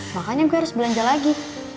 makanya gue harus belanja lagi